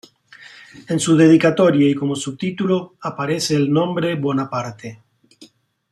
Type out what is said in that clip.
En su dedicatoria y como subtítulo aparece el nombre "Bonaparte".